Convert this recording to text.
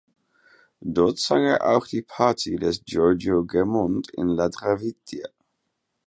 Dort sang er auch die Partie des Giorgio Germont in La traviata.